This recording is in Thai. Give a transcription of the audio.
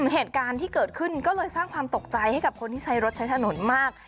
เหตุการณ์ที่เกิดขึ้นก็เลยสร้างความตกใจให้กับคนที่ใช้รถใช้ถนนมาก